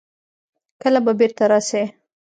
کله به بېرته راسي.